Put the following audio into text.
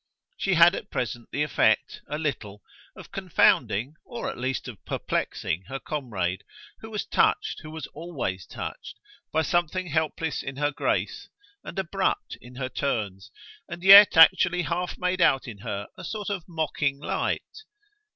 She had at present the effect, a little, of confounding, or at least of perplexing her comrade, who was touched, who was always touched, by something helpless in her grace and abrupt in her turns, and yet actually half made out in her a sort of mocking light.